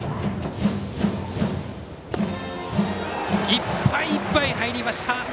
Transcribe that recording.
いっぱいいっぱい、入りました！